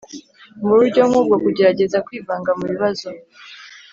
Mu buryo nk ubwo kugerageza kwivanga mu bibazo